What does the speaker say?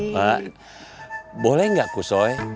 pak boleh nggak kusot